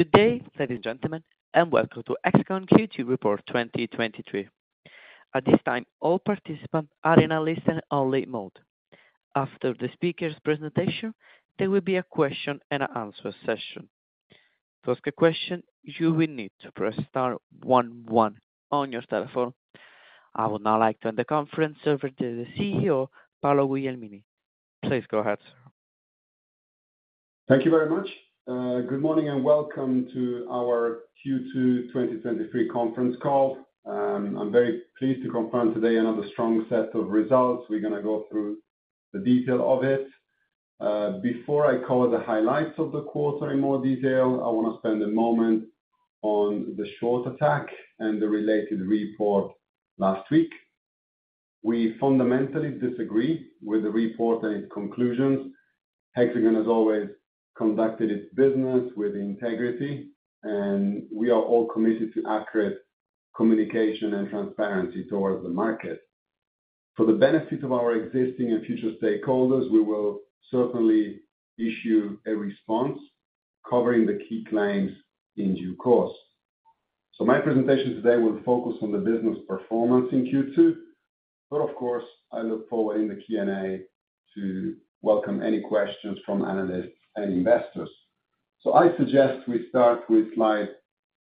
Good day, ladies and gentlemen, welcome to Hexagon Q2 Report 2023. At this time, all participants are in a listen-only mode. After the speaker's presentation, there will be a question and an answer session. To ask a question, you will need to press star one one on your telephone. I would now like to hand the conference over to the CEO, Paolo Guglielmini. Please go ahead, sir. Thank you very much. Good morning, and welcome to our Q2 2023 conference call. I'm very pleased to confirm today another strong set of results. We're gonna go through the detail of it. Before I cover the highlights of the quarter in more detail, I wanna spend a moment on the short attack and the related report last week. We fundamentally disagree with the report and its conclusions. Hexagon has always conducted its business with integrity, and we are all committed to accurate communication and transparency towards the market. For the benefit of our existing and future stakeholders, we will certainly issue a response covering the key claims in due course. My presentation today will focus on the business performance in Q2, but of course, I look forward in the Q&A to welcome any questions from analysts and investors. I suggest we start with slide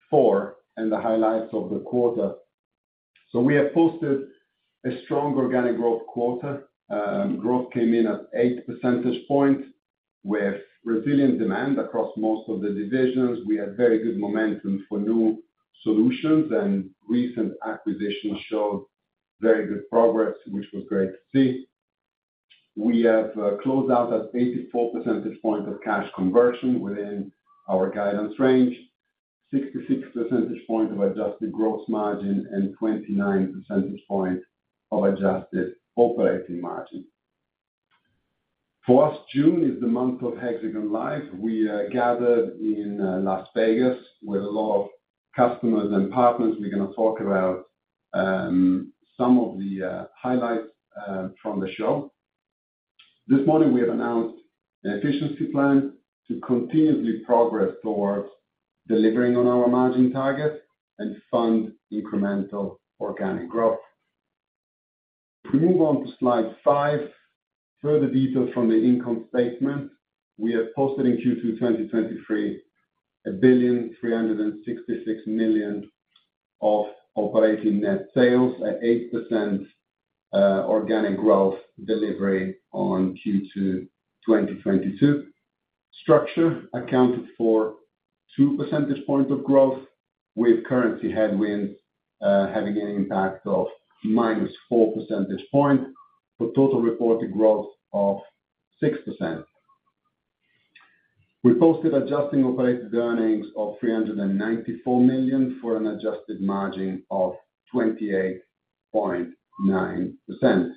four and the highlights of the quarter. Growth came in at 8 percentage points, with resilient demand across most of the divisions. We had very good momentum for new solutions, and recent acquisitions showed very good progress, which was great to see. We have closed out at 84 percentage points of cash conversion within our guidance range, 66 percentage points of adjusted gross margin, and 29 percentage points of adjusted operating margin. For us, June is the month of Hexagon LIVE. We are gathered in Las Vegas with a lot of customers and partners. We're gonna talk about some of the highlights from the show. This morning, we have announced an efficiency plan to continuously progress towards delivering on our margin target and fund incremental organic growth. If we move on to slide five, further detail from the income statement. We have posted in Q2 2023, 1,366 million of operating net sales at 8% organic growth delivery on Q2 2022. Structure accounted for 2 percentage points of growth, with currency headwinds having an impact of -4 percentage point, for total reported growth of 6%. We posted adjusting operating earnings of 394 million for an adjusted margin of 28.9%.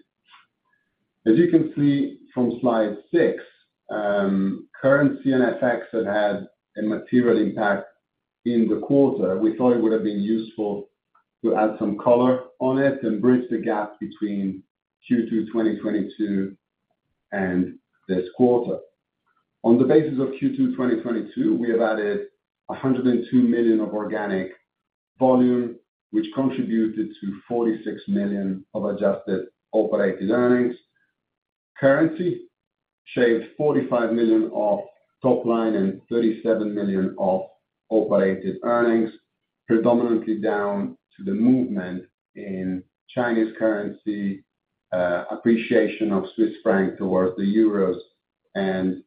As you can see from slide six, currency and effects that had a material impact in the quarter, we thought it would have been useful to add some color on it and bridge the gap between Q2 2022 and this quarter. On the basis of Q2 2022, we have added 102 million of organic volume, which contributed to 46 million of adjusted operating earnings. Currency shaved 45 million off top line and 37 million off operating earnings, predominantly down to the movement in Chinese currency, appreciation of Swiss franc towards the euros, and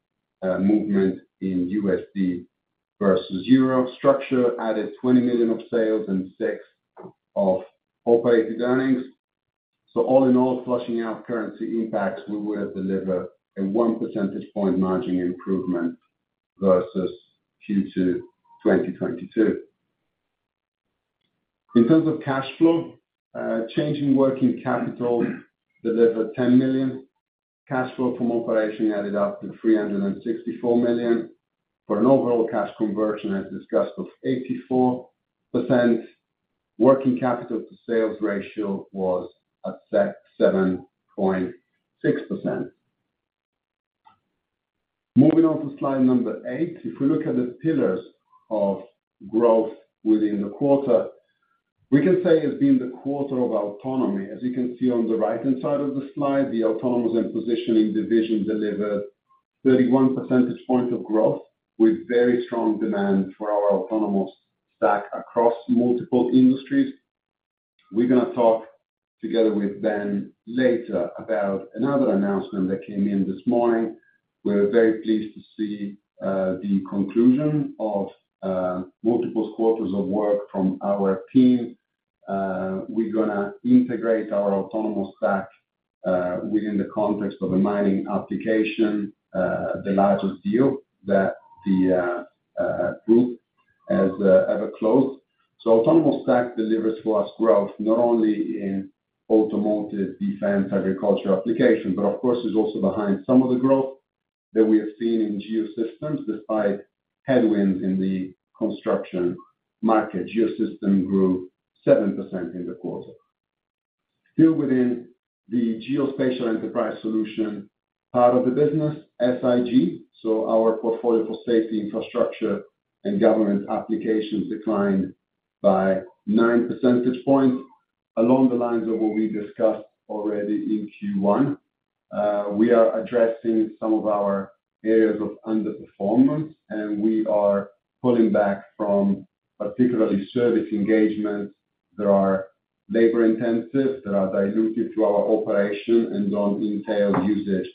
movement in USD versus EUR. Structure added 20 million of sales and 6 of operating earnings. All in all, flushing out currency impacts, we would have delivered a one percentage point margin improvement versus Q2 2022. In terms of cash flow, change in working capital delivered 10 million. Cash flow from operation added up to 364 million, for an overall cash conversion, as discussed, of 84%. Working capital to sales ratio was at set 7.6%. Moving on to slide number eight, if we look at the pillars of growth within the quarter, we can say it's been the quarter of autonomy. As you can see on the right-hand side of the slide, the Autonomy & Positioning division delivered 31 percentage point of growth, with very strong demand for our autonomous stack across multiple industries. We're gonna talk together with Ben later about another announcement that came in this morning. We're very pleased to see the conclusion of multiple quarters of work from our team. We're gonna integrate our autonomous stack within the context of a mining application, the largest deal that the group has ever closed. Autonomous stack delivers for us growth not only in automotive, defense, agriculture application, but of course, is also behind some of the growth that we have seen in Geosystems, despite headwinds in the construction market. Geosystems grew 7% in the quarter. Still within the Geospatial Enterprise Solutions, part of the business, SIG, so our portfolio for safety, infrastructure, and government applications declined by 9 percentage points. Along the lines of what we discussed already in Q1, we are addressing some of our areas of underperformance, and we are pulling back from particularly service engagements that are labor-intensive, that are dilutive to our operation, and don't entail usage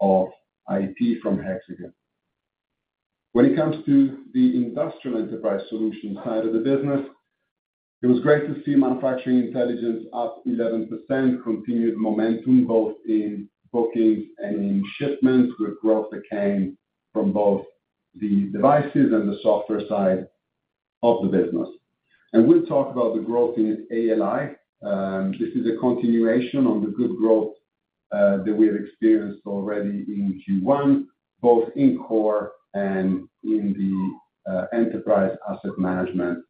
of IT from Hexagon. When it comes to the Industrial Enterprise Solutions side of the business, it was great to see Manufacturing Intelligence up 11%, continued momentum, both in bookings and in shipments, with growth that came from both the devices and the software side of the business. We'll talk about the growth in ALI. This is a continuation on the good growth that we have experienced already in Q1, both in core and in the enterprise asset management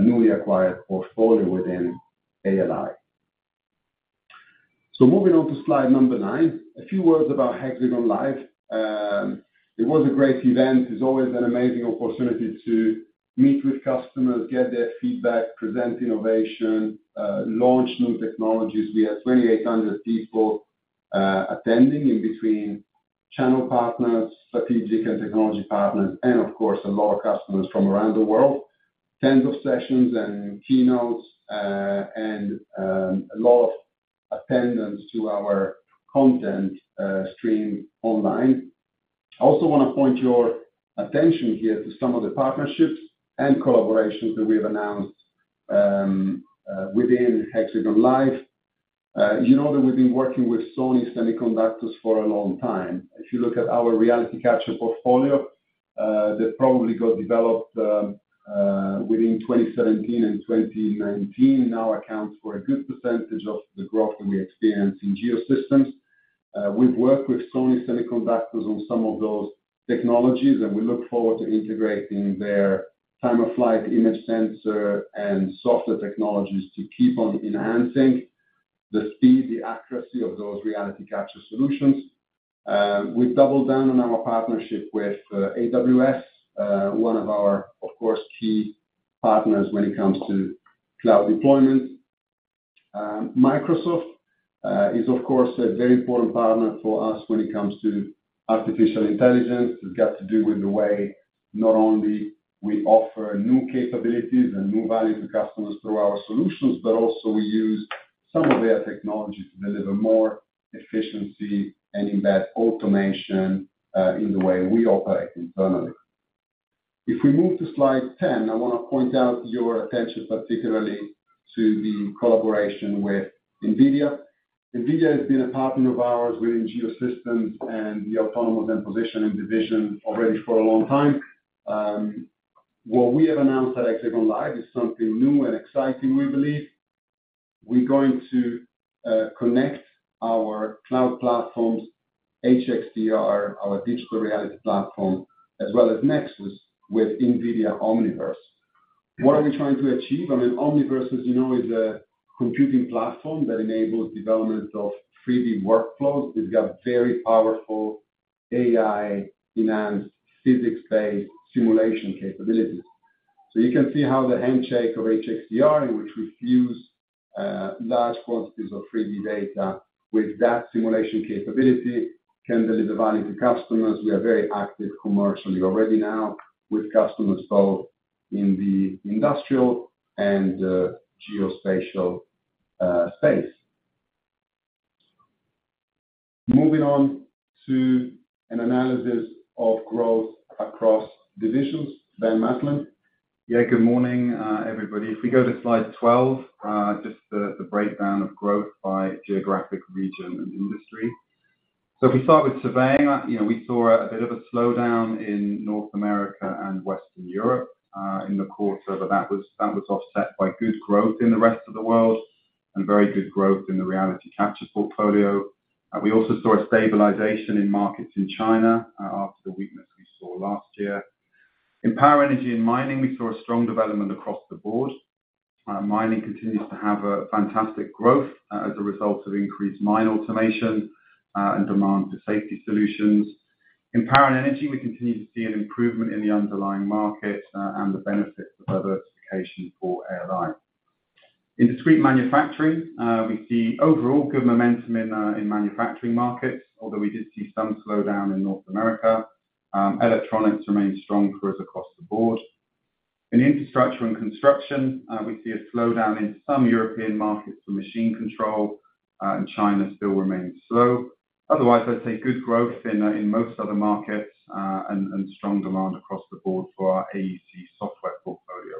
newly acquired portfolio within ALI. Moving on to slide number 9, a few words about Hexagon LIVE. It was a great event. It's always an amazing opportunity to meet with customers, get their feedback, present innovation, launch new technologies. We had 2,800 people attending in between channel partners, strategic and technology partners, and of course, a lot of customers from around the world. Tens of sessions and keynotes, and a lot of attendance to our content, stream online. I also wanna point your attention here to some of the partnerships and collaborations that we have announced within Hexagon LIVE. You know that we've been working with Sony Semiconductors for a long time. If you look at our reality capture portfolio, that probably got developed within 2017 and 2019, now accounts for a good % of the growth that we experience in Geosystems. We've worked with Sony Semiconductors on some of those technologies, and we look forward to integrating their Time-of-Flight image sensor and software technologies to keep on enhancing the speed, the accuracy of those reality capture solutions. We've doubled down on our partnership with AWS, one of our, of course, key partners when it comes to cloud deployment. Microsoft is of course, a very important partner for us when it comes to artificial intelligence. It's got to do with the way not only we offer new capabilities and new value to customers through our solutions, but also we use some of their technology to deliver more efficiency, and in that automation, in the way we operate internally. If we move to slide 10, I wanna point out your attention, particularly to the collaboration with NVIDIA. NVIDIA has been a partner of ours within Geosystems and the Autonomy and Positioning division already for a long time. What we have announced at Hexagon Live is something new and exciting, we believe. We're going to connect our cloud platforms, HxDR, our digital reality platform, as well as Nexus, with NVIDIA Omniverse. What are we trying to achieve? I mean, Omniverse, as you know, is a computing platform that enables development of 3D workflows. It's got very powerful AI-enhanced, physics-based simulation capabilities. You can see how the handshake of HxDR, in which we fuse large quantities of 3D data with that simulation capability, can deliver value to customers. We are very active commercially already now with customers, both in the industrial and geospatial space. Moving on to an analysis of growth across divisions. Ben Maslen. Yeah, good morning, everybody. If we go to slide 12, just the breakdown of growth by geographic region and industry. If we start with surveying, you know, we saw a bit of a slowdown in North America and Western Europe, in the quarter, but that was, that was offset by good growth in the rest of the world and very good growth in the reality capture portfolio. We also saw a stabilization in markets in China, after the weakness we saw last year. In power, energy, and mining, we saw a strong development across the board. Mining continues to have a fantastic growth, as a result of increased mine automation, and demand for safety solutions. In power and energy, we continue to see an improvement in the underlying market, and the benefits of diversification for ALI. In discrete manufacturing, we see overall good momentum in manufacturing markets, although we did see some slowdown in North America. Electronics remains strong for us across the board. In infrastructure and construction, we see a slowdown in some European markets for machine control, and China still remains slow. Otherwise, I'd say good growth in most other markets, and strong demand across the board for our AEC software portfolio.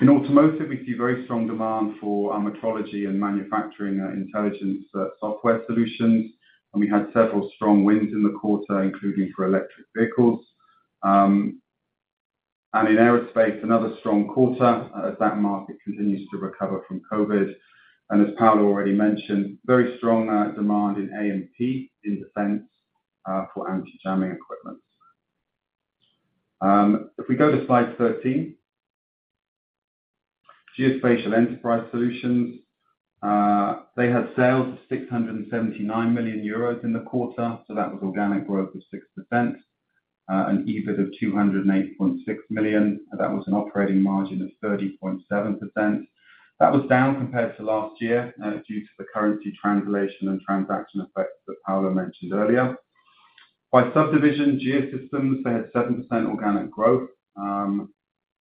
In automotive, we see very strong demand for our metrology and manufacturing intelligence software solutions, and we had several strong wins in the quarter, including for electric vehicles. In aerospace, another strong quarter, as that market continues to recover from COVID. As Paolo already mentioned, very strong demand in A&P, in defense, for anti-jamming equipment. If we go to slide 13, Geospatial Enterprise Solutions. They had sales of 679 million euros in the quarter, that was organic growth of 6%, and EBIT of 208.6 million, and that was an operating margin of 30.7%. That was down compared to last year, due to the currency translation and transaction effects that Paolo mentioned earlier. By subdivision, Geosystems, they had 7% organic growth.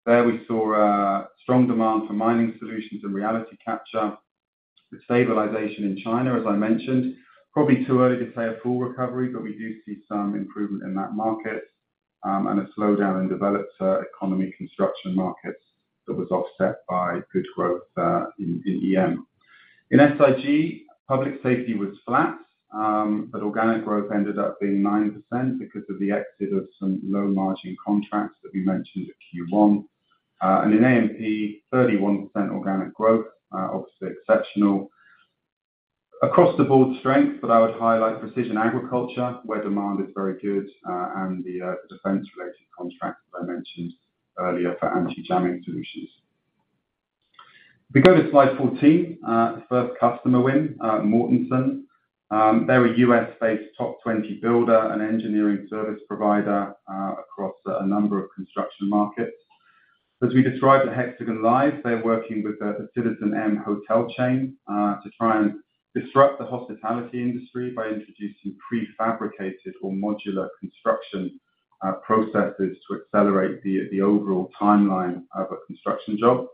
There we saw a strong demand for mining solutions and reality capture. With stabilization in China, as I mentioned, probably too early to say a full recovery, we do see some improvement in that market, and a slowdown in developed economy construction markets that was offset by good growth in EM. In SIG, public safety was flat, but organic growth ended up being 9% because of the exit of some low margin contracts that we mentioned at Q1. In A&P, 31% organic growth, obviously exceptional. Across the board strength, but I would highlight precision agriculture, where demand is very good, and the defense-related contract that I mentioned earlier for anti-jamming solutions. If we go to slide 14, first customer win, Mortenson. They're a U.S.-based top 20 builder and engineering service provider across a number of construction markets. As we described at Hexagon LIVE, they're working with the citizenM hotel chain to try and disrupt the hospitality industry by introducing prefabricated or modular construction processes to accelerate the overall timeline of a construction job.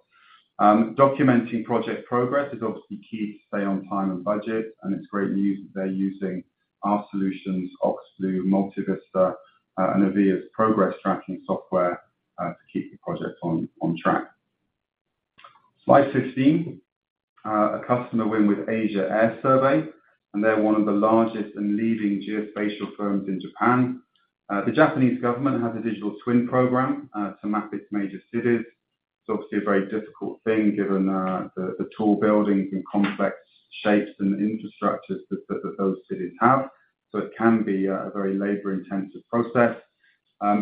Documenting project progress is obviously key to stay on time and budget, and it's great news that they're using our solutions, OxBlue, Multivista, and AVVIR's progress tracking software to keep the project on track. Slide 15, a customer win with Asia Air Survey, they're one of the largest and leading geospatial firms in Japan. The Japanese government has a digital twin program to map its major cities. It's obviously a very difficult thing, given the tall buildings and complex shapes and infrastructures that those cities have. It can be a very labor-intensive process.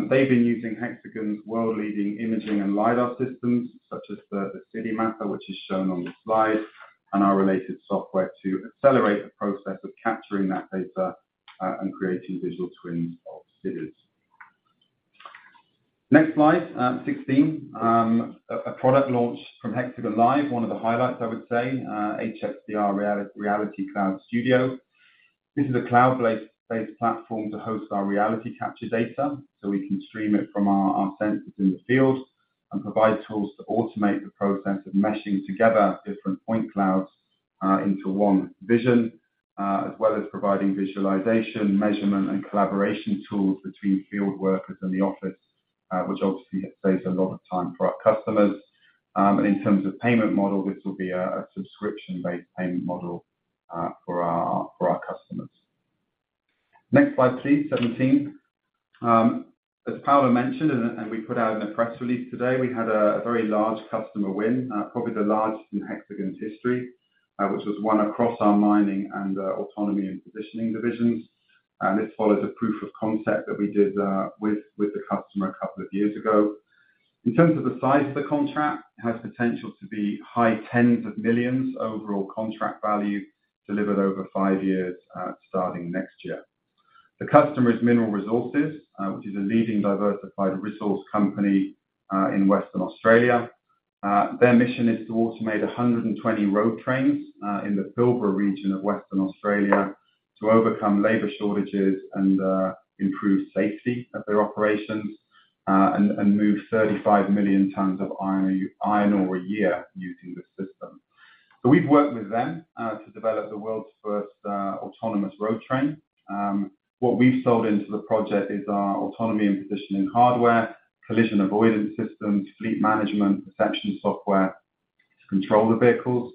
They've been using Hexagon's world-leading imaging and LiDAR systems, such as the CityMapper, which is shown on the slide, and our related software to accelerate the process of capturing that data and creating Visual Twins of cities. Next slide, 16. A product launch from Hexagon LIVE, one of the highlights, I would say, HxDR Reality Cloud Studio. This is a cloud-based platform to host our reality capture data, so we can stream it from our sensors in the field and provide tools to automate the process of meshing together different point clouds into one vision, as well as providing visualization, measurement, and collaboration tools between field workers and the office, which obviously saves a lot of time for our customers. In terms of payment model, this will be a subscription-based payment model for our customers. Next slide, please. 17. as Paolo mentioned, we put out in a press release today, we had a very large customer win, probably the largest in Hexagon's history, which was won across our mining and Autonomy & Positioning divisions. This follows a proof of concept that we did with the customer a couple of years ago. In terms of the size of the contract, it has potential to be high tens of millions EUR overall contract value delivered over 5 years, starting next year. The customer is Mineral Resources, which is a leading diversified resource company, in Western Australia. Their mission is to automate 120 road trains in the Pilbara region of Western Australia to overcome labor shortages and improve safety of their operations and move 35 million tons of iron ore a year using this system. We've worked with them to develop the world's first autonomous road train. What we've sold into the project is our Autonomy & Positioning hardware, collision avoidance systems, fleet management, perception software to control the vehicles,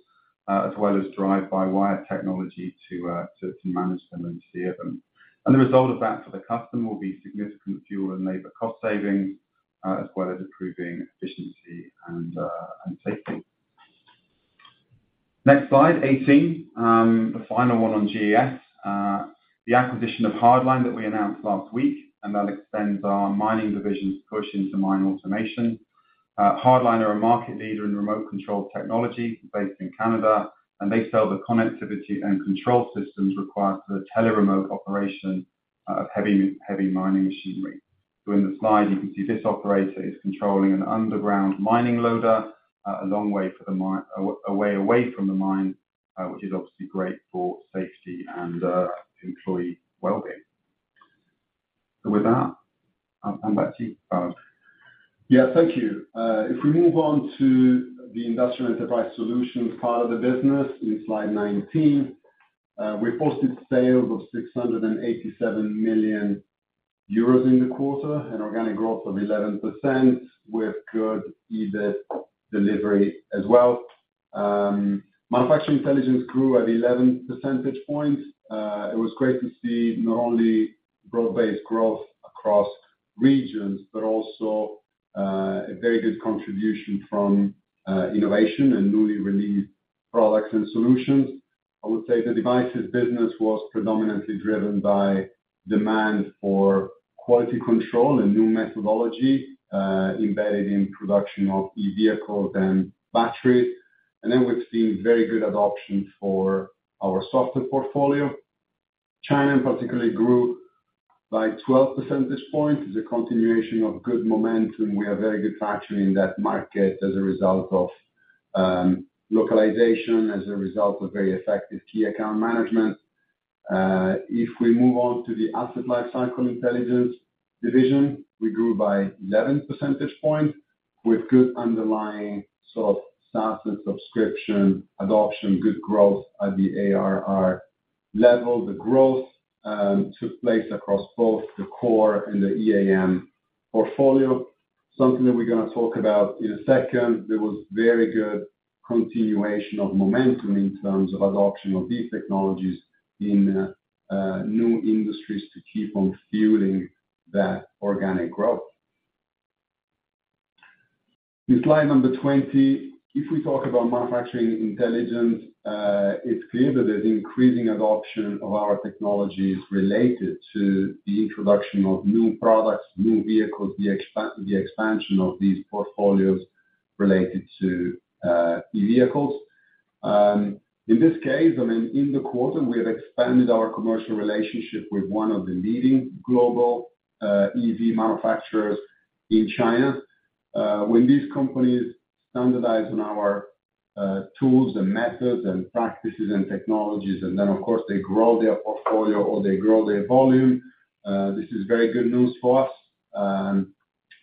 as well as drive-by-wire technology to manage them and steer them. The result of that for the customer will be significant fuel and labor cost savings, as well as improving efficiency and safety. Next slide, 18. The final one on GES. The acquisition of HARD-LINE that we announced last week, and that extends our mining division's push into mine automation. HARD-LINE are a market leader in remote control technology based in Canada, and they sell the connectivity and control systems required for the tele-remote operation of heavy mining machinery. In the slide, you can see this operator is controlling an underground mining loader, a way away from the mine, which is obviously great for safety and employee well-being. With that, back to you, Paolo. Yeah, thank you. If we move on to the Industrial Enterprise Solutions part of the business in slide 19. We posted sales of 687 million euros in the quarter, an organic growth of 11%, with good EBIT delivery as well. Manufacturing Intelligence grew at 11 percentage points. It was great to see not only broad-based growth across regions, a very good contribution from innovation and newly released products and solutions. I would say the devices business was predominantly driven by demand for quality control and new methodology, embedded in production of e-vehicles and batteries. We've seen very good adoption for our software portfolio. China particularly grew by 12% at this point, is a continuation of good momentum. We have very good factory in that market as a result of localization, as a result of very effective key account management. If we move on to the Asset Lifecycle Intelligence division, we grew by 11 percentage points with good underlying sort of SaaS and subscription adoption, good growth at the ARR level. The growth took place across both the core and the EAM portfolio, something that we're gonna talk about in a second. There was very good continuation of momentum in terms of adoption of these technologies in new industries to keep on fueling that organic growth. In slide number 20, if we talk about Manufacturing Intelligence, it's clear that there's increasing adoption of our technologies related to the introduction of new products, new vehicles, the expansion of these portfolios related to e-vehicles. In this case, I mean, in the quarter, we have expanded our commercial relationship with one of the leading global EV manufacturers in China. When these companies standardize on our tools and methods and practices and technologies, and then, of course, they grow their portfolio or they grow their volume, this is very good news for us.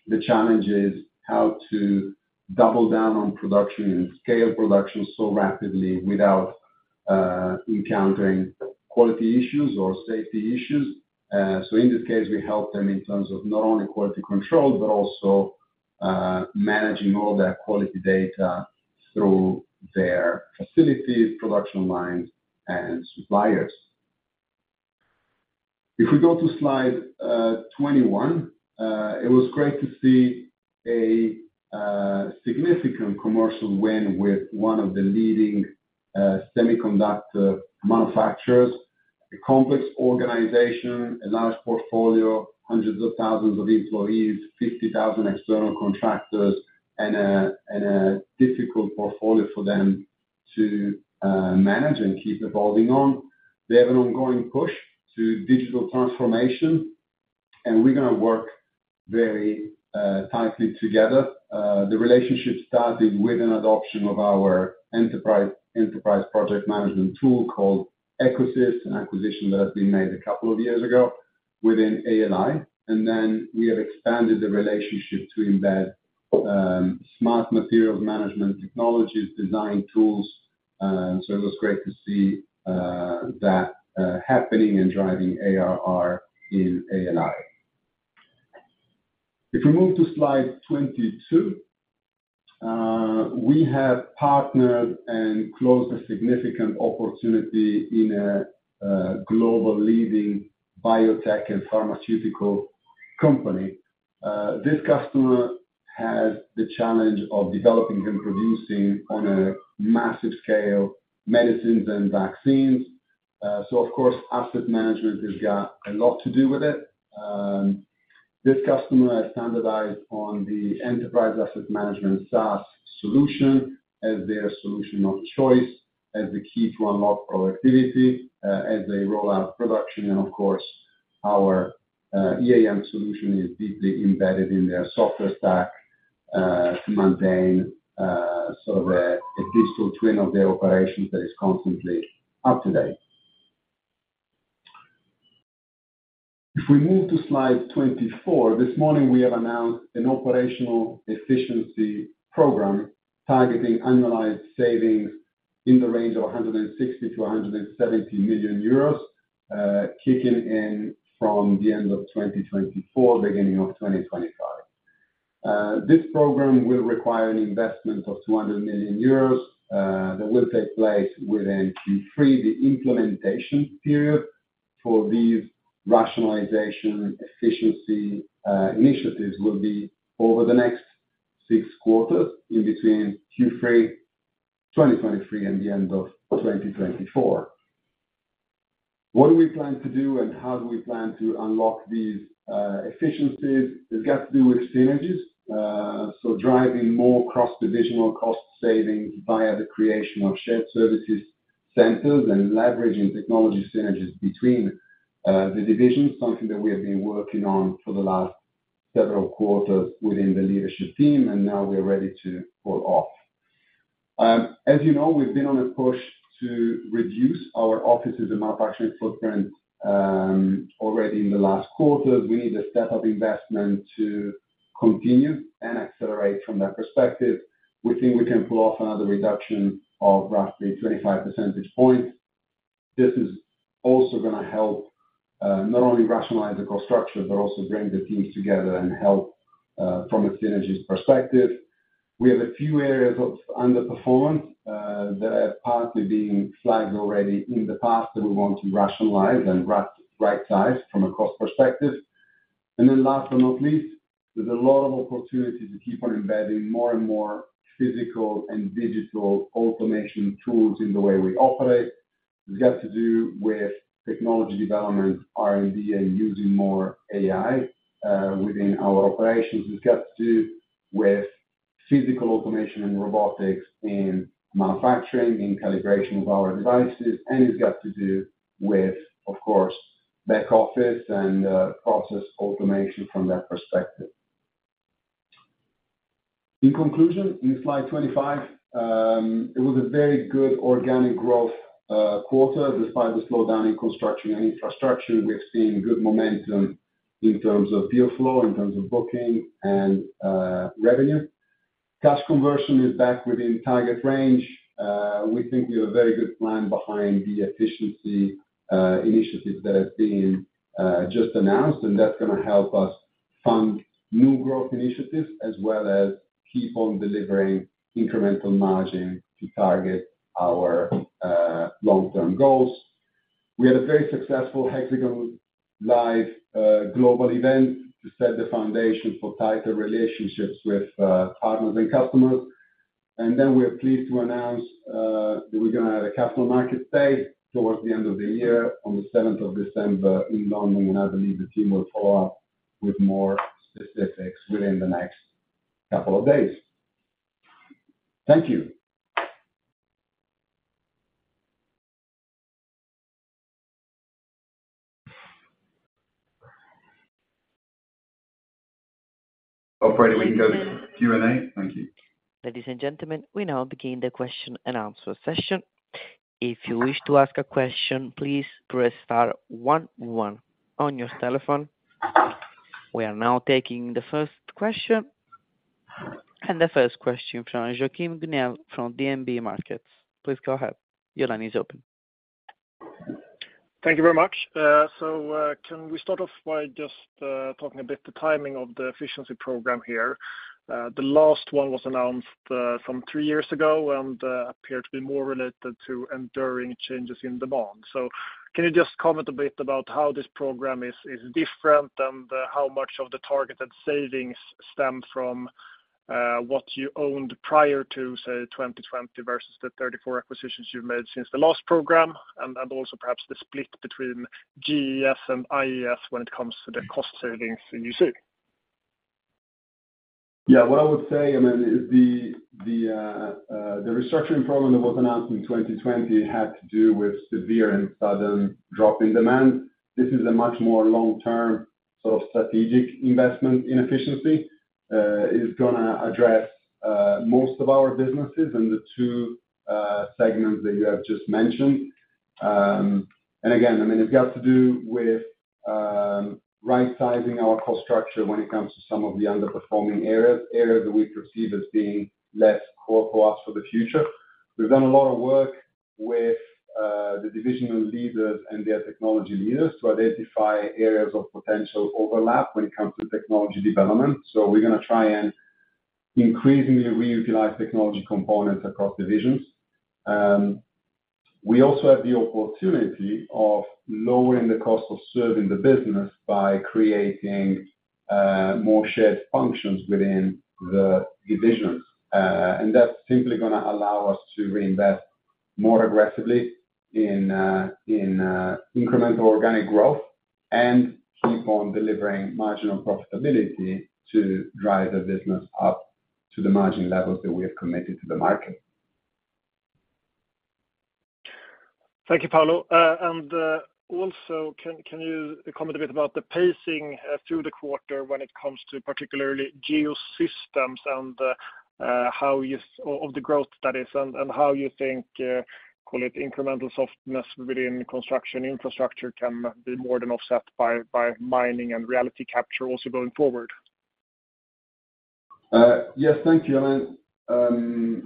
The challenge is how to double down on production and scale production so rapidly without encountering quality issues or safety issues. In this case, we help them in terms of not only quality control, but also managing all their quality data through their facilities, production lines, and suppliers. If we go to slide 21, it was great to see a significant commercial win with one of the leading semiconductor manufacturers. A complex organization, a large portfolio, hundreds of thousands of employees, 50,000 external contractors, and a difficult portfolio for them to manage and keep evolving on. They have an ongoing push to digital transformation, we're gonna work very tightly together. The relationship started with an adoption of our enterprise project management tool called EcoSys, an acquisition that has been made a couple of years ago within ALI. Then we have expanded the relationship to embed smart materials management technologies, design tools. It was great to see that happening and driving ARR in ALI. If we move to slide 22, we have partnered and closed a significant opportunity in a global leading biotech and pharmaceutical company. This customer has the challenge of developing and producing on a massive scale, medicines and vaccines. Of course, asset management has got a lot to do with it. This customer has standardized on the enterprise asset management SaaS solution as their solution of choice, as the key to unlock productivity as they roll out production. Of course, our EAM solution is deeply embedded in their software stack to maintain sort of a digital twin of their operations that is constantly up to date. If we move to slide 24, this morning, we have announced an operational efficiency program, targeting annualized savings in the range of 160 million-170 million euros, kicking in from the end of 2024, beginning of 2025. This program will require an investment of 200 million euros that will take place within Q3. The implementation period for these rationalization and efficiency initiatives will be over the next 6 quarters, in between Q3 2023 and the end of 2024. What do we plan to do and how do we plan to unlock these efficiencies? It's got to do with synergies. Driving more cross-divisional cost savings via the creation of shared services centers and leveraging technology synergies between the divisions, something that we have been working on for the last several quarters within the leadership team, and now we're ready to pull off. As you know, we've been on a push to reduce our offices and manufacturing footprint already in the last quarter. We need a step-up investment to continue and accelerate from that perspective. We think we can pull off another reduction of roughly 25 percentage points. This is also gonna help, not only rationalize the cost structure, but also bring the teams together and help, from a synergies perspective. We have a few areas of underperformed, that have partly been flagged already in the past that we want to rationalize and rightsize from a cost perspective. Last but not least, there's a lot of opportunities to keep on embedding more and more physical and digital automation tools in the way we operate. It's got to do with technology development, R&D, and using more AI, within our operations. It's got to do with physical automation and robotics in manufacturing, in calibration of our devices, and it's got to do with, of course, back office and process automation from that perspective. In conclusion, in slide 25, it was a very good organic growth quarter despite the slowdown in construction and infrastructure. We're seeing good momentum in terms of deal flow, in terms of booking and revenue. Cash conversion is back within target range. We think we have a very good plan behind the efficiency initiatives that have been just announced, and that's gonna help us fund new growth initiatives as well as keep on delivering incremental margin to target our long-term goals. We had a very successful Hexagon Live global event to set the foundation for tighter relationships with partners and customers. We are pleased to announce that we're gonna have a capital market day towards the end of the year on the 7th of December in London. I believe the team will follow up with more specifics within the next couple of days. Thank you. Operator, we can go to Q&A? Thank you. Ladies and gentlemen, we now begin the question and answer session. If you wish to ask a question, please press star one one on your telephone. We are now taking the first question. The first question from Joakim Gunnell from DNB Markets. Please go ahead. Your line is open. Thank you very much. Can we start off by just talking a bit the timing of the efficiency program here? The last one was announced from 3 years ago and appeared to be more related to enduring changes in demand. Can you just comment a bit about how this program is different, and how much of the targeted savings stem from what you owned prior to, say, 2020 versus the 34 acquisitions you've made since the last program? Also perhaps the split between GES and IES when it comes to the cost savings that you see. Yeah. What I would say, I mean, is the restructuring program that was announced in 2020 had to do with severe and sudden drop in demand. This is a much more long-term, sort of strategic investment in efficiency. It is gonna address most of our businesses and the two segments that you have just mentioned. Again, I mean, it's got to do with rightsizing our cost structure when it comes to some of the underperforming areas that we perceive as being less core for us for the future. We've done a lot of work with the divisional leaders and their technology leaders to identify areas of potential overlap when it comes to technology development, so we're gonna try and increasingly reutilize technology components across divisions. We also have the opportunity of lowering the cost of serving the business by creating more shared functions within the divisions. That's simply gonna allow us to reinvest more aggressively in incremental organic growth and keep on delivering marginal profitability to drive the business up to the margin levels that we have committed to the market. Thank you, Paolo. Also, can you comment a bit about the pacing through the quarter when it comes to particularly Geosystems and how you of the growth that is, and how you think call it incremental softness within construction infrastructure can be more than offset by mining and reality capture also going forward? Yes. Thank you, Joakim.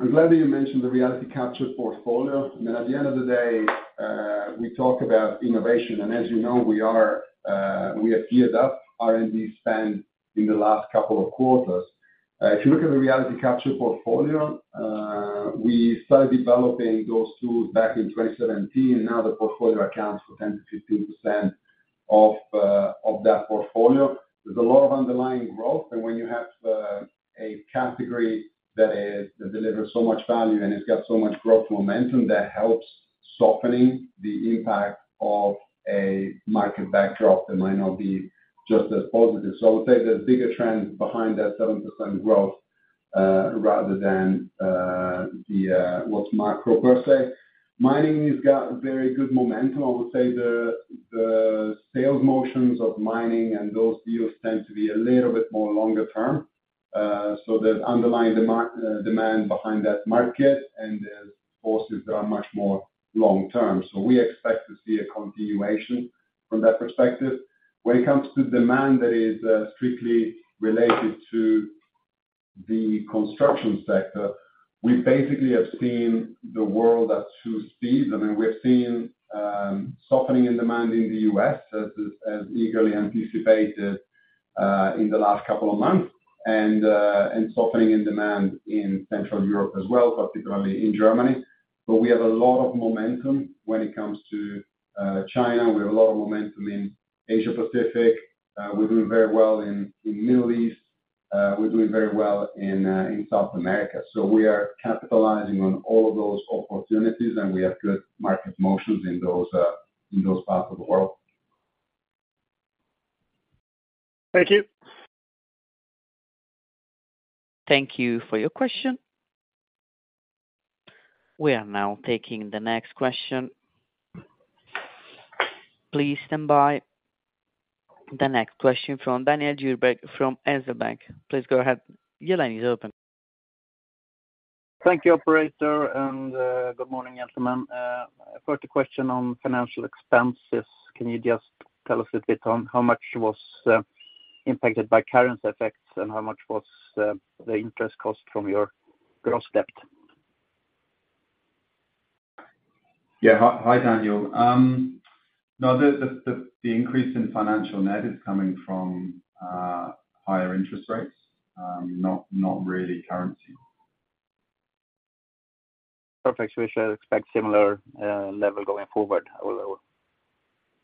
I'm glad that you mentioned the reality capture portfolio. I mean, at the end of the day, we talk about innovation, and as you know, we have geared up R&D spend in the last couple of quarters. If you look at the reality capture portfolio, we started developing those tools back in 2017, and now the portfolio accounts for 10%-15% of that portfolio. There's a lot of underlying growth, and when you have a category that delivers so much value and it's got so much growth momentum, that helps softening the impact of a market backdrop that might not be just as positive. I would say the bigger trend behind that 7% growth, rather than the what's macro per se. Mining has got very good momentum. I would say the sales motions of mining and those deals tend to be a little bit more longer term. The underlying demand behind that market and the forces are much more long term, we expect to see a continuation from that perspective. When it comes to demand that is strictly related to the construction sector-...We basically have seen the world at two speeds. I mean, we've seen softening in demand in the US as eagerly anticipated in the last couple of months and softening in demand in Central Europe as well, particularly in Germany. We have a lot of momentum when it comes to China. We have a lot of momentum in Asia Pacific. We're doing very well in Middle East. We're doing very well in South America. We are capitalizing on all of those opportunities, and we have good market motions in those parts of the world. Thank you. Thank you for your question. We are now taking the next question. Please stand by. The next question from Daniel Djurberg from SEB Bank. Please go ahead. Your line is open. Thank you, operator. Good morning, gentlemen. First question on financial expenses, can you just tell us a bit on how much was impacted by current effects and how much was the interest cost from your gross debt? Hi, Daniel. No, the increase in financial net is coming from higher interest rates, not really currency. Perfect. We should expect similar level going forward or lower?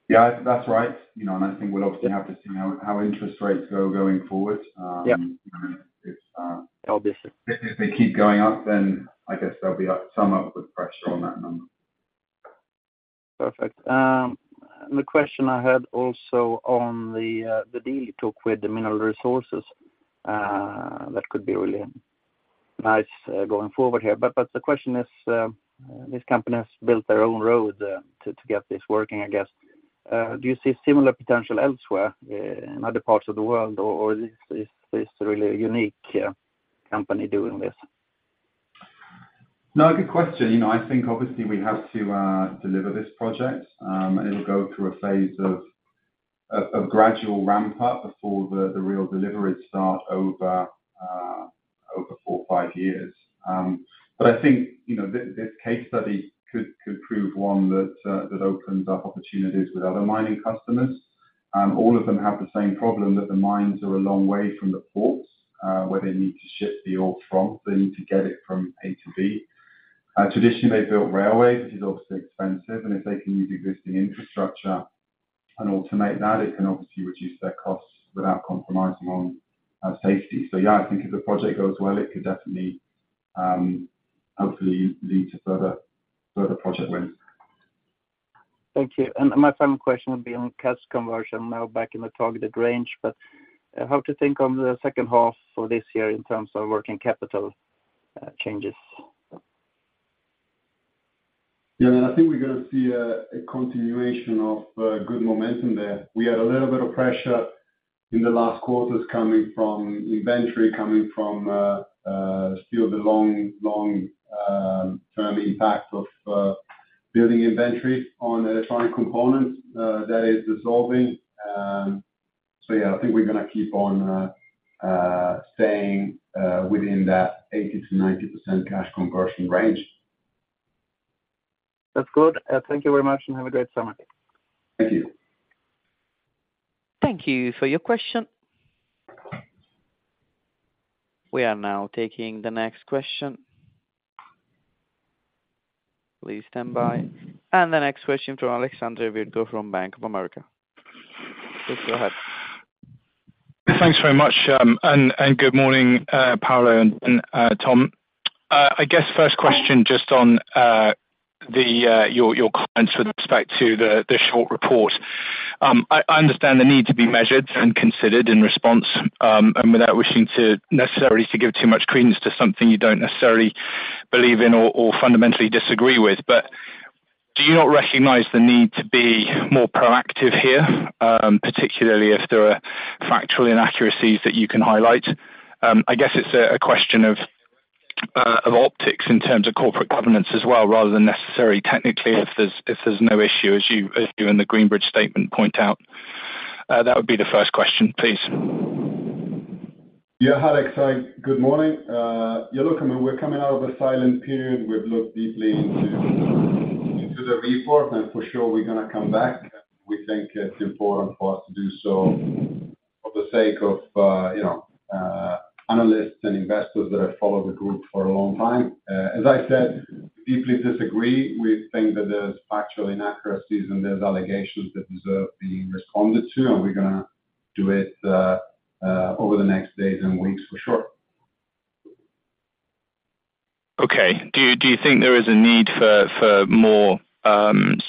Yeah, that's right. You know, and I think we'll obviously have to see how interest rates go going forward. Yeah. Um, it's, uh- Obviously. If they keep going up, then I guess there'll be some upward pressure on that number. Perfect. The question I had also on the deal you took with the Mineral Resources, that could be really nice going forward here. The question is, this company has built their own road to get this working, I guess. Do you see similar potential elsewhere in other parts of the world, or is this really a unique company doing this? Good question. You know, I think obviously we have to deliver this project. It'll go through a phase of gradual ramp up before the real deliveries start over 4, 5 years. I think, you know, this case study could prove one that opens up opportunities with other mining customers. All of them have the same problem, that the mines are a long way from the ports where they need to ship the ore from. They need to get it from A to B. Traditionally, they built railways, which is obviously expensive, and if they can use existing infrastructure and automate that, it can obviously reduce their costs without compromising on safety. Yeah, I think if the project goes well, it could definitely hopefully lead to further project wins. Thank you. My final question would be on cash conversion, now back in the targeted range, but, how to think on the second half for this year in terms of working capital, changes? Yeah, I think we're gonna see a continuation of good momentum there. We had a little bit of pressure in the last quarters coming from inventory, coming from still the long-term impact of building inventory on electronic components that is dissolving. Yeah, I think we're gonna keep on staying within that 80%-90% cash conversion range. That's good. Thank you very much, and have a great summer. Thank you. Thank you for your question. We are now taking the next question. Please stand by. The next question from Alexander Virgo from Bank of America. Please go ahead. Thanks very much, and good morning, Paolo and Tom. I guess first question, just on your comments with respect to the short report. I understand the need to be measured and considered in response, and without wishing to necessarily to give too much credence to something you don't necessarily believe in or fundamentally disagree with. Do you not recognize the need to be more proactive here, particularly if there are factual inaccuracies that you can highlight? I guess it's a question of optics in terms of corporate governance as well, rather than necessary technically, if there's no issue, as you in the Greenbridge statement point out. That would be the first question, please. Alex, hi. Good morning. I mean, we're coming out of a silent period. We've looked deeply into the report, and for sure we're gonna come back. We think it's important for us to do so for the sake of, you know, analysts and investors that have followed the group for a long time. As I said, we deeply disagree. We think that there's factual inaccuracies, and there's allegations that deserve being responded to, and we're gonna do it over the next days and weeks for sure. Okay. Do you think there is a need for more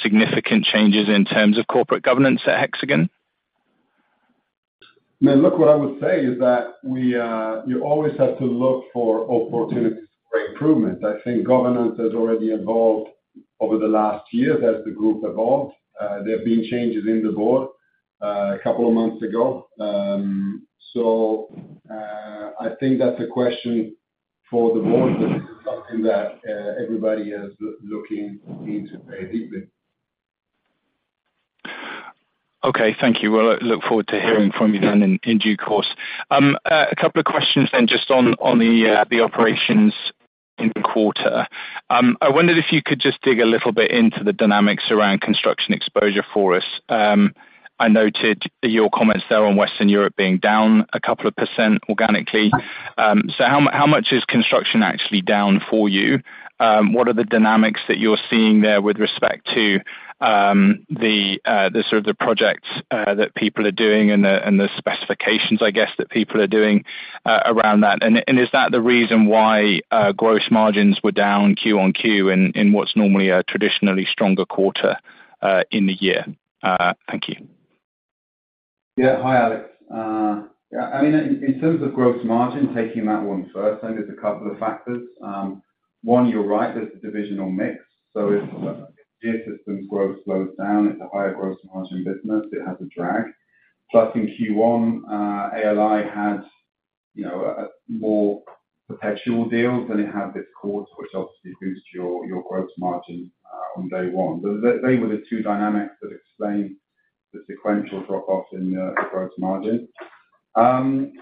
significant changes in terms of corporate governance at Hexagon? I mean, look, what I would say is that we, you always have to look for opportunities for improvement. I think governance has already evolved over the last year as the group evolved. There have been changes in the board, a couple of months ago. I think that's a question for the board, but this is something that, everybody is looking into very deeply. Okay, thank you. Well, I look forward to hearing from you then in due course. A couple of questions then, just on the operations in the quarter. I wondered if you could just dig a little bit into the dynamics around construction exposure for us. I noted your comments there on Western Europe being down a couple of percent organically. How much is construction actually down for you? What are the dynamics that you're seeing there with respect to the sort of the projects that people are doing and the specifications, I guess, that people are doing around that? Is that the reason why gross margins were down Q-on-Q in what's normally a traditionally stronger quarter in the year? Thank you. Yeah. Hi, Alex. Yeah, I mean, in terms of gross margin, taking that one first, I think there's a couple of factors. One, you're right, there's a divisional mix, so if Geosystems growth slows down, it's a higher gross margin business, it has a drag. In Q1, ALI had, you know, a more perpetual deal than it had this quarter, which obviously boosts your gross margin on day one. They were the two dynamics that explain the sequential drop-off in the gross margin. And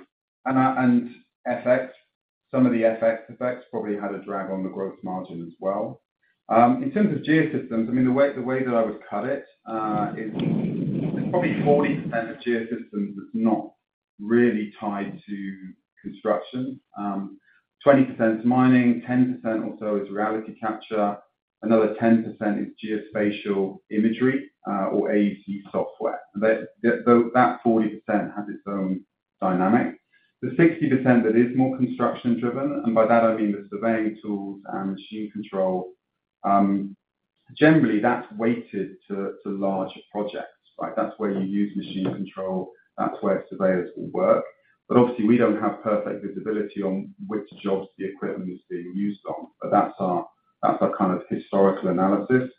FX, some of the FX effects probably had a drag on the gross margin as well. In terms of Geosystems, I mean, the way that I would cut it is probably 40% of Geosystems is not really tied to construction. 20% is mining, 10% or so is reality capture, another 10% is geospatial imagery, or AEC software. That 40% has its own dynamic. The 60% that is more construction driven, and by that I mean the surveying tools and machine control, generally, that's weighted to larger projects, right? That's where you use machine control. That's where surveyors will work. Obviously, we don't have perfect visibility on which jobs the equipment is being used on, but that's our kind of historical analysis.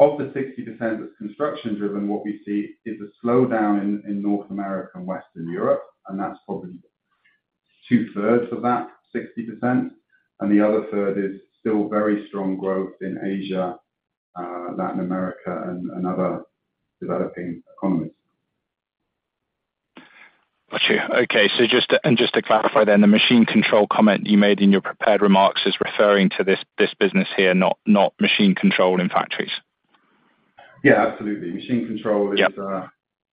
Of the 60% that's construction driven, what we see is a slowdown in North America and Western Europe, and that's probably two-thirds of that 60%, and the other third is still very strong growth in Asia, Latin America and other developing economies. Got you. Okay, just to clarify then, the machine control comment you made in your prepared remarks is referring to this business here, not machine control in factories. Yeah, absolutely. Machine control. Yeah.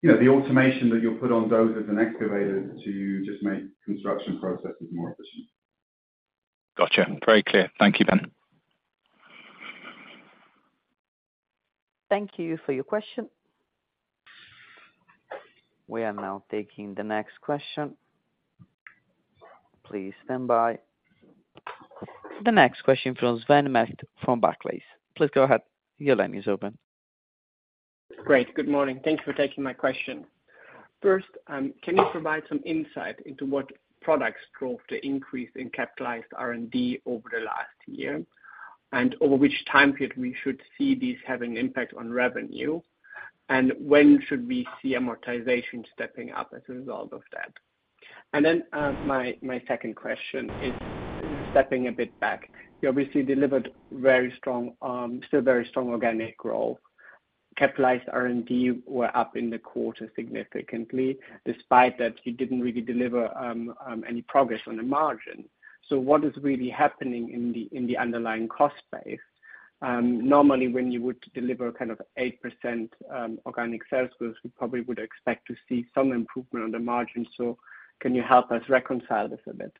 You know, the automation that you'll put on dozers and excavators to just make construction processes more efficient. Gotcha. Very clear. Thank you, Ben. Thank you for your question. We are now taking the next question. Please stand by. The next question from Sven Merkt from Barclays. Please go ahead. Your line is open. Great. Good morning. Thank you for taking my question. First, can you provide some insight into what products drove the increase in capitalized R&D over the last year, and over which time period we should see these having an impact on revenue? When should we see amortization stepping up as a result of that? My second question is stepping a bit back. You obviously delivered very strong, still very strong organic growth. Capitalized R&D were up in the quarter significantly, despite that, you didn't really deliver any progress on the margin. What is really happening in the underlying cost base? Normally, when you would deliver kind of 8%, organic sales growth, we probably would expect to see some improvement on the margin. Can you help us reconcile this a bit?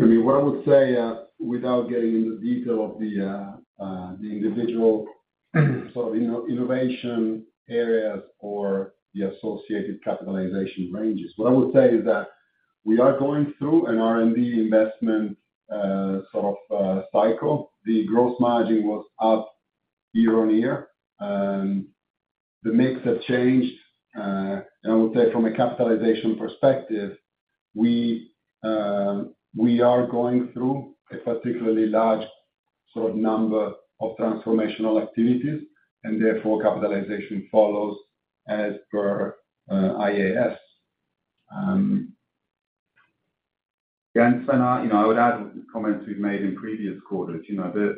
I mean, what I would say, without getting into the detail of the individual, sort of innovation areas or the associated capitalization ranges. What I would say is that we are going through an R&D investment, sort of cycle. The gross margin was up year-over-year. The mix have changed. I would say from a capitalization perspective, we are going through a particularly large sort of number of transformational activities, and therefore, capitalization follows as per IAS. You know, I would add comments we've made in previous quarters. You know, the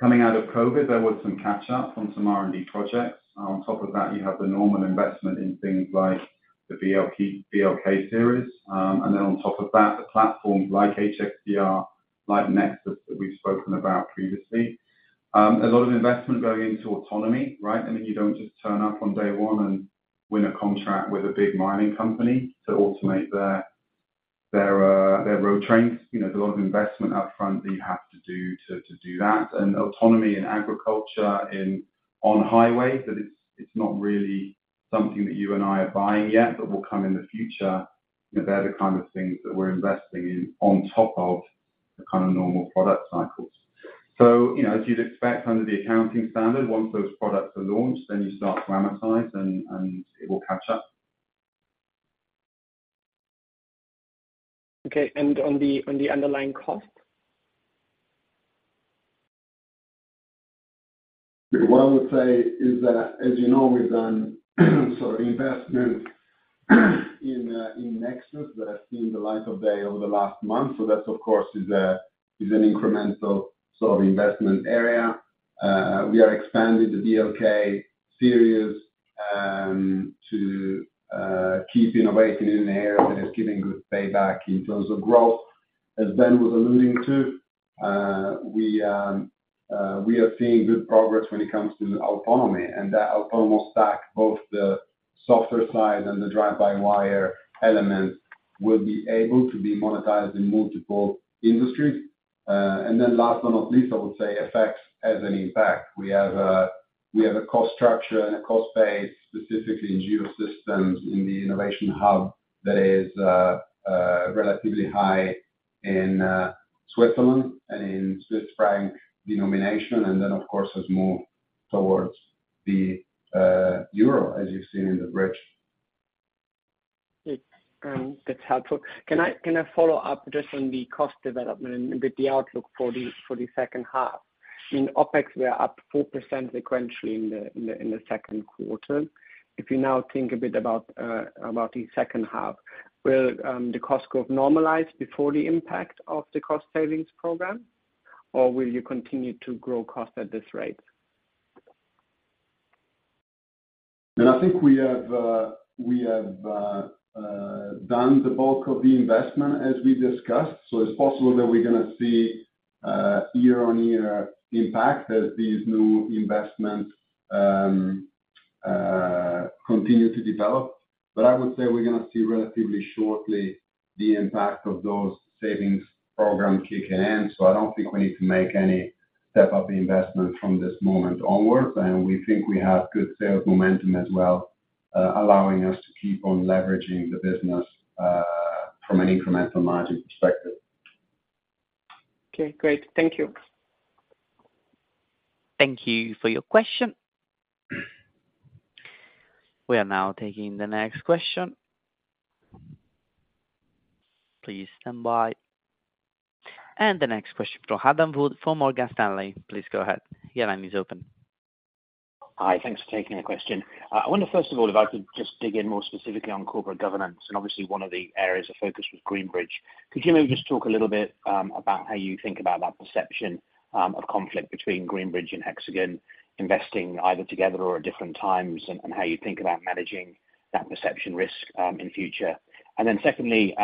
coming out of COVID, there was some catch-up on some R&D projects. On top of that, you have the normal investment in things like the BLK series. On top of that, the platforms like HxDR, like Nexus, that we've spoken about previously. A lot of investment going into autonomy, right? I mean, you don't just turn up on day 1 and win a contract with a big mining company to automate their road trains. You know, there's a lot of investment upfront that you have to do to do that. Autonomy in agriculture, on highways, that it's not really something that you and I are buying yet, but will come in the future. You know, they're the kind of things that we're investing in on top of the kind of normal product cycles. As you'd expect under the accounting standard, once those products are launched, then you start to amortize and it will catch up. Okay. On the, on the underlying cost? What I would say is that, as you know, we've done, sorry. in Nexus that have seen the light of day over the last month. That, of course, is an incremental sort of investment area. We are expanding the BLK series to keep innovating in an area that is giving good payback in terms of growth. As Ben was alluding to, we are seeing good progress when it comes to autonomy, and that autonomous stack, both the software side and the drive-by-wire elements, will be able to be monetized in multiple industries. Last but not least, I would say effects has an impact. We have a cost structure and a cost base, specifically in Geosystems, in the innovation hub that is relatively high in Switzerland and in Swiss franc denomination, and then, of course, has moved towards the euro, as you've seen in the bridge. Great. That's helpful. Can I follow up just on the cost development and with the outlook for the second half? In OpEx, we are up 4% sequentially in the second quarter. If you now think a bit about the second half, will the cost curve normalize before the impact of the cost savings program, or will you continue to grow cost at this rate? I think we have done the bulk of the investment as we discussed, so it's possible that we're gonna see year-on-year impact as these new investments continue to develop. I would say we're gonna see relatively shortly the impact of those savings program kicking in, so I don't think we need to make any step-up investment from this moment onwards, and we think we have good sales momentum as well, allowing us to keep on leveraging the business from an incremental margin perspective. Okay, great. Thank you. Thank you for your question. We are now taking the next question. Please stand by. The next question from Adam Wood for Morgan Stanley. Please go ahead. Your line is open. Hi. Thanks for taking the question. I wonder, first of all, if I could just dig in more specifically on corporate governance, obviously one of the areas of focus was Greenbridge. Could you maybe just talk a little bit about how you think about that perception of conflict between Greenbridge and Hexagon investing either together or at different times, and how you think about managing that perception risk in future? Secondly,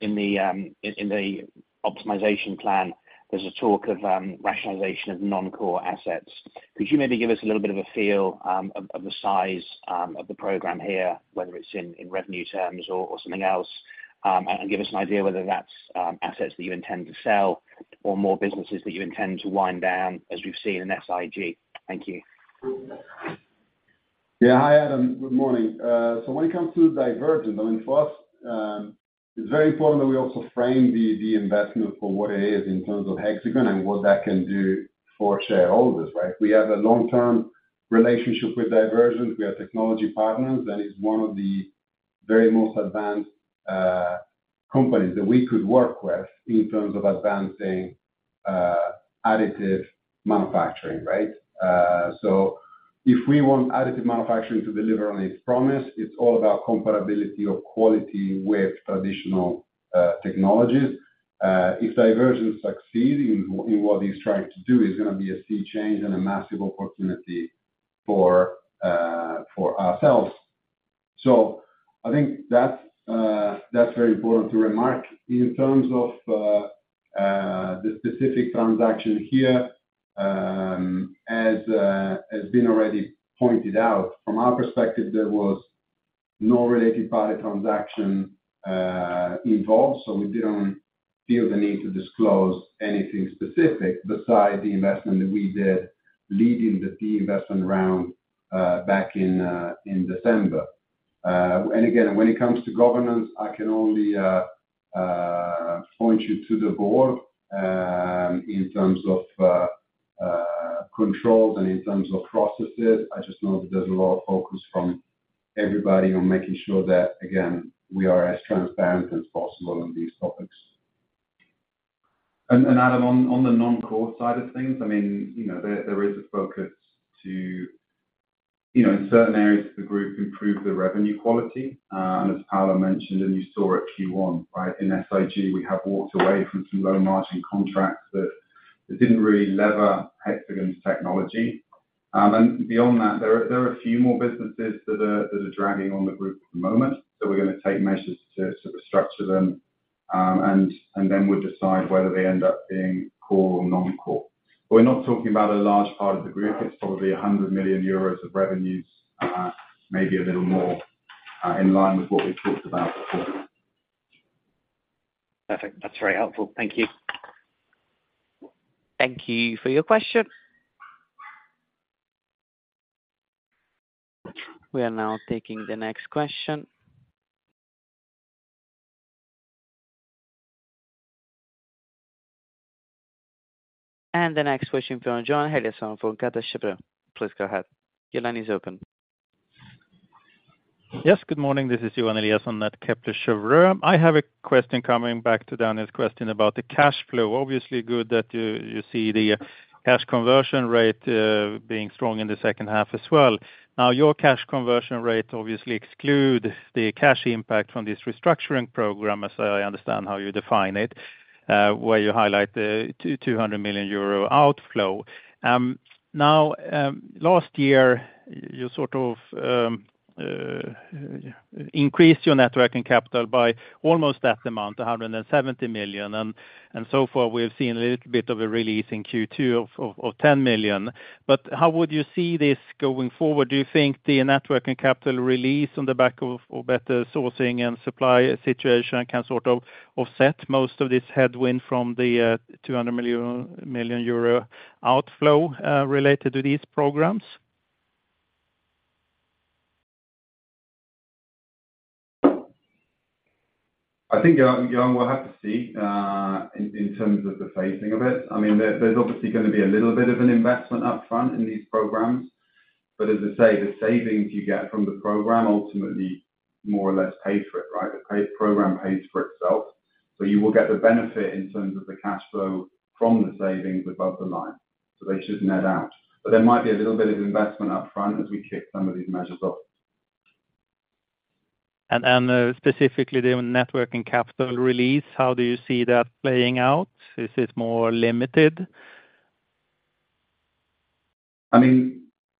in the optimization plan, there's a talk of rationalization of non-core assets. Could you maybe give us a little bit of a feel, of the size of the program here, whether it's in revenue terms or something else, and give us an idea whether that's assets that you intend to sell or more businesses that you intend to wind down, as we've seen in SIG? Thank you. Yeah. Hi, Adam. Good morning. When it comes to Divergent, I mean, for us, it's very important that we also frame the investment for what it is in terms of Hexagon and what that can do for shareholders, right? We have a long-term relationship with Divergent. We are technology partners, it's one of the very most advanced companies that we could work with in terms of advancing additive manufacturing, right? If we want additive manufacturing to deliver on its promise, it's all about compatibility of quality with traditional technologies. If Divergent succeed in what it's trying to do, it's gonna be a key change and a massive opportunity for ourselves. I think that's very important to remark. In terms of the specific transaction here, as has been already pointed out, from our perspective, there was no related party transaction involved, so we didn't feel the need to disclose anything specific besides the investment that we did, leading the investment round back in December. Again, when it comes to governance, I can only point you to the board, in terms of controls and in terms of processes. I just know that there's a lot of focus from everybody on making sure that, again, we are as transparent as possible on these topics. Adam, on the non-core side of things, I mean, you know, there is a focus to, you know, in certain areas of the group, improve the revenue quality, and as Paolo mentioned, and you saw it in Q1, right? In SIG, we have walked away from some low-margin contracts that didn't really lever Hexagon's technology. Beyond that, there are a few more businesses that are dragging on the group at the moment, so we're gonna take measures to sort of structure them, and then we'll decide whether they end up being core or non-core. We're not talking about a large part of the group. It's probably 100 million euros of revenues, maybe a little more, in line with what we talked about before. Perfect. That's very helpful. Thank you. Thank you for your question. We are now taking the next question. The next question from Johan Eliason from Kepler Cheuvreux. Please go ahead. Your line is open. Yes, good morning. This is Johan Eliason at Kepler Cheuvreux. I have a question coming back to Daniel's question about the cash flow. Obviously good that you see the cash conversion rate being strong in the second half as well. Your cash conversion rate obviously exclude the cash impact from this restructuring program, as I understand how you define it, where you highlight the 200 million euro outflow. Last year, you sort of increased your net working capital by almost that amount, 170 million, and so far, we have seen a little bit of a release in Q2 of 10 million. How would you see this going forward? Do you think the net working capital release on the back of, or better sourcing and supply situation can sort of offset most of this headwind from the, 200 million outflow, related to these programs? I think, Johan, we'll have to see in terms of the phasing of it. I mean, there's obviously gonna be a little bit of an investment up front in these programs, but as I say, the savings you get from the program ultimately more or less pay for it, right? The pay program pays for itself. You will get the benefit in terms of the cash flow from the savings above the line, so they should net out. There might be a little bit of investment up front as we kick some of these measures off. specifically the net working capital release, how do you see that playing out? Is it more limited?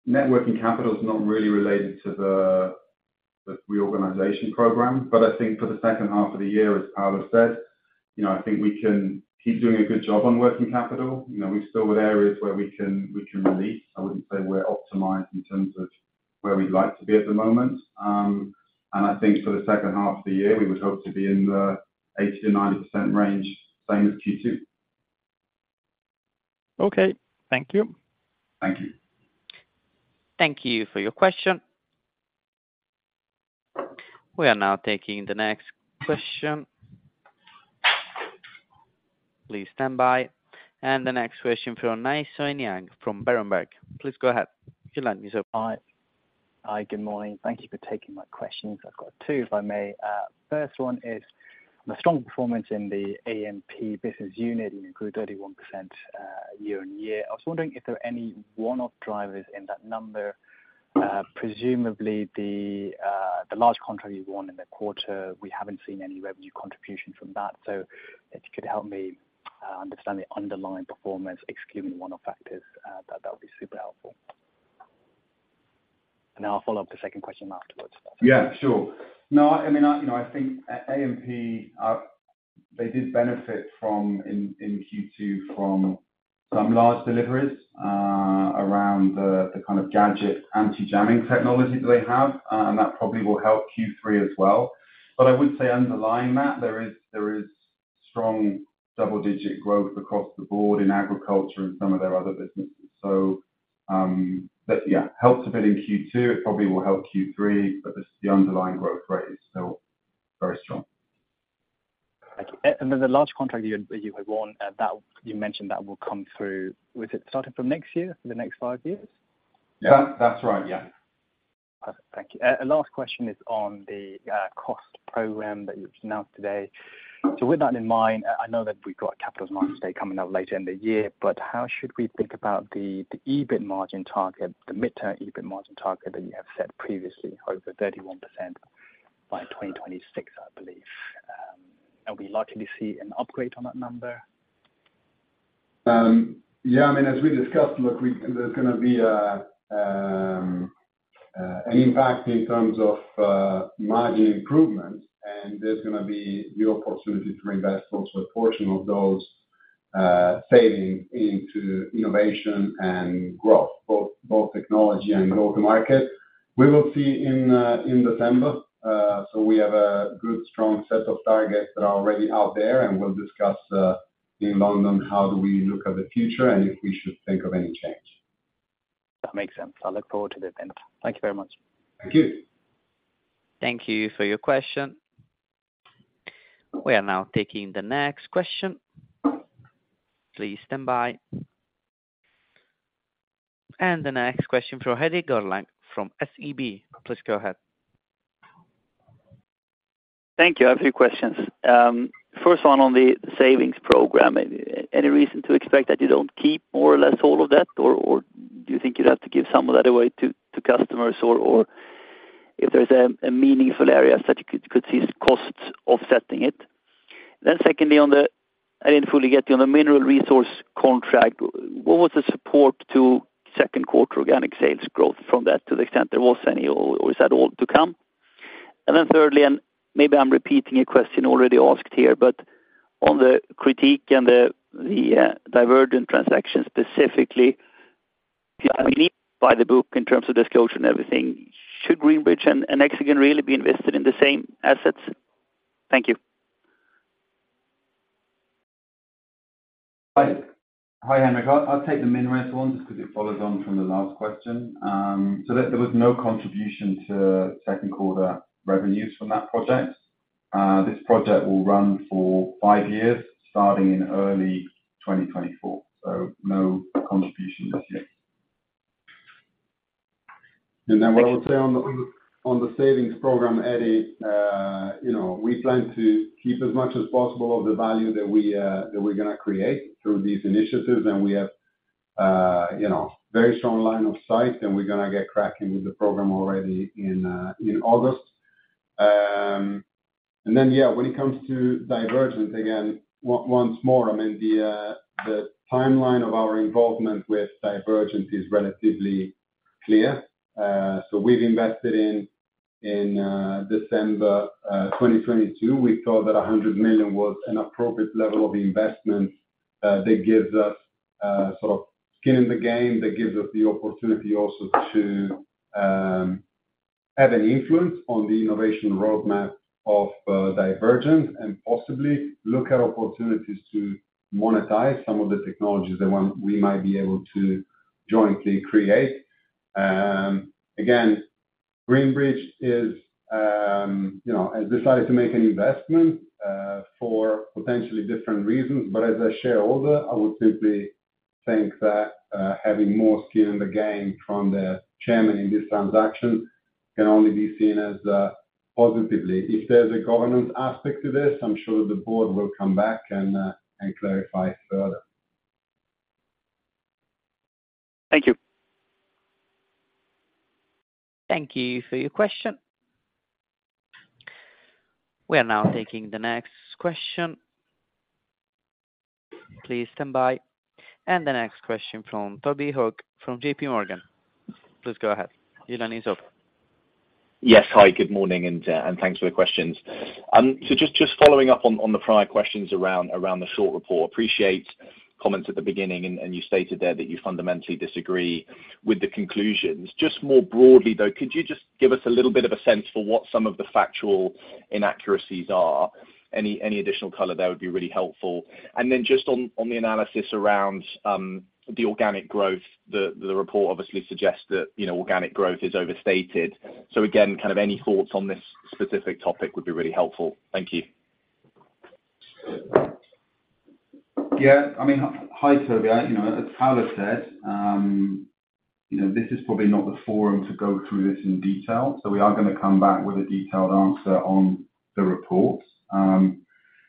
Net working capital is not really related to the reorganization program. I think for the second half of the year, as Paolo said, you know, I think we can keep doing a good job on working capital. You know, we've still got areas where we can release. I wouldn't say we're optimized in terms of where we'd like to be at the moment. I think for the second half of the year, we would hope to be in the 80%-90% range, same as Q2. Okay. Thank you. Thank you. Thank you for your question. We are now taking the next question. Please stand by. The next question from Nay Soe Naing from Berenberg. Please go ahead. Your line is open. Hi. Hi, good morning. Thank you for taking my questions. I've got two, if I may. First one is the strong performance in the A&P business unit, including 31% year-on-year. I was wondering if there are any one-off drivers in that number. Presumably the large contract you won in the quarter, we haven't seen any revenue contribution from that. If you could help me understand the underlying performance, excluding one-off factors, that would be super helpful. I'll follow up the second question afterwards. Yeah, sure. No, I mean, I, you know, I think at A&P, they did benefit from in Q2, from some large deliveries around the GAJT anti-jamming technology that they have, and that probably will help Q3 as well. I would say underlying that, there is strong double-digit growth across the board in agriculture and some of their other businesses. That, yeah, helped a bit in Q2. It probably will help Q3, but the underlying growth rate is still very strong. Thank you. Then the large contract you had won, that you mentioned that will come through, with it starting from next year for the next 5 years? Yeah. That's right. Yeah. Perfect. Thank you. Last question is on the cost program that you've announced today. With that in mind, I know that we've got capital markets day coming up later in the year, but how should we think about the EBIT margin target, the mid-term EBIT margin target that you have set previously, over 31% by 2026, I believe? Are we likely to see an upgrade on that number? Yeah, I mean, as we discussed, look, there's gonna be an impact in terms of margin improvement, and there's gonna be the opportunity to invest also a portion of those savings into innovation and growth, both technology and growth market. We will see in December. We have a good, strong set of targets that are already out there, and we'll discuss in London, how do we look at the future and if we should think of any change. That makes sense. I look forward to the event. Thank you very much. Thank you. Thank you for your question. We are now taking the next question. Please stand by. The next question from Erik Golrang from SEB. Please go ahead. Thank you. I have a few questions. First one on the savings program. Any reason to expect that you don't keep more or less all of that? Or do you think you'd have to give some of that away to customers, or if there's a meaningful area that you could see costs offsetting it? Secondly, on the. I didn't fully get you on the Mineral Resources contract, what was the support to second quarter organic sales growth from that, to the extent there was any, or is that all to come? Thirdly, and maybe I'm repeating a question already asked here, but on the critique and the Divergent transaction specifically, I mean, by the book, in terms of disclosure and everything, should Greenbridge and Hexagon really be invested in the same assets? Thank you. Hi. Hi, Erik. I'll take the min res one just because it follows on from the last question. There was no contribution to second quarter revenues from that project. This project will run for 5 years, starting in early 2024, so no contribution this year. What I would say on the savings program, Eddie, you know, we plan to keep as much as possible of the value that we're gonna create through these initiatives. We have, you know, very strong line of sight, and we're gonna get cracking with the program already in August. Yeah, when it comes to Divergent, again, once more, I mean, the timeline of our involvement with Divergent is relatively clear. We've invested in December 2022. We thought that 100 million was an appropriate level of investment, that gives us sort of skin in the game, that gives us the opportunity also to have an influence on the innovation roadmap of Divergent and possibly look at opportunities to monetize some of the technologies that we might be able to jointly create. Again, Greenbridge is, you know, has decided to make an investment for potentially different reasons, as a shareholder, I would simply think that having more skin in the game from the chairman in this transaction, can only be seen as positively. If there's a governance aspect to this, I'm sure the board will come back and clarify further. Thank you. Thank you for your question. We are now taking the next question. Please stand by. The next question Toby O'Brien from J.PMorgan. Please go ahead. Your line is open. Yes. Hi, good morning, and thanks for the questions. Just following up on the prior questions around the short report. Appreciate comments at the beginning, and you stated there that you fundamentally disagree with the conclusions. Just more broadly, though, could you just give us a little bit of a sense for what some of the factual inaccuracies are? Any additional color there would be really helpful. Then just on the analysis around the organic growth, the report obviously suggests that, you know, organic growth is overstated. Again, kind of any thoughts on this specific topic would be really helpful. Thank you. Yeah. I mean, hi, Toby. You know, as Paolo said, you know, this is probably not the forum to go through this in detail, we are gonna come back with a detailed answer on the report. From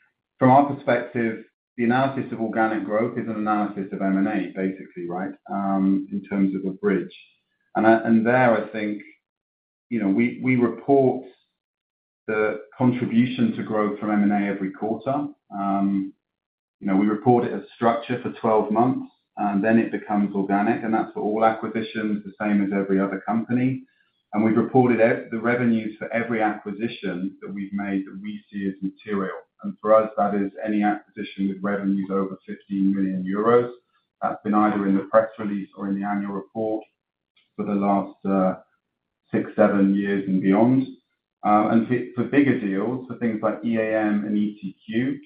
our perspective, the analysis of organic growth is an analysis of M&A, basically, right? In terms of a bridge. There, I think, you know, we report the contribution to growth from M&A every quarter. You know, we report it as structure for 12 months, then it becomes organic, and that's for all acquisitions, the same as every other company. We've reported the revenues for every acquisition that we've made, that we see as material. For us, that is any acquisition with revenues over 15 million euros. That's been either in the press release or in the annual report for the last six, seven years and beyond. For bigger deals, for things like EAM and ETQ,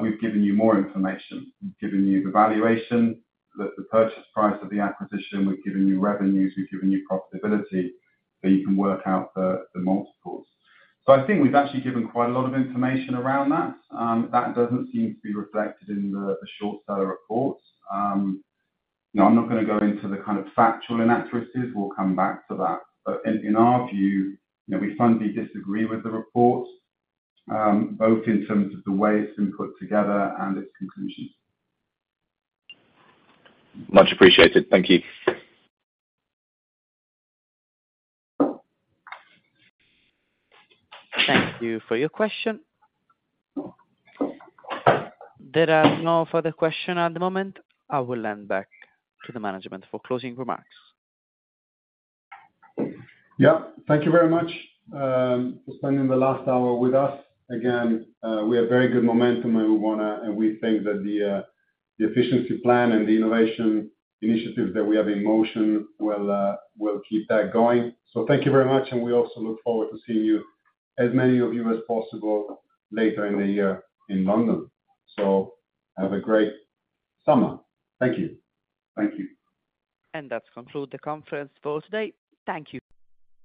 we've given you more information. We've given you the valuation, the purchase price of the acquisition. We've given you revenues, we've given you profitability, so you can work out the multiples. I think we've actually given quite a lot of information around that. That doesn't seem to be reflected in the short seller reports. Now, I'm not gonna go into the kind of factual inaccuracies. We'll come back to that. In our view, you know, we firmly disagree with the reports, both in terms of the way it's been put together and its conclusions. Much appreciated. Thank you. Thank you for your question. There are no further question at the moment. I will hand back to the management for closing remarks. Yeah, thank you very much for spending the last hour with us. Again, we have very good momentum, and we think that the efficiency plan and the innovation initiatives that we have in motion will keep that going. Thank you very much, and we also look forward to seeing you, as many of you as possible, later in the year in London. Have a great summer. Thank you. Thank you. That concludes the conference for today. Thank you.